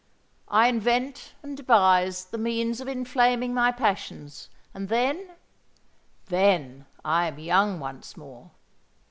I invent and devise the means of inflaming my passions; and then—then I am young once more.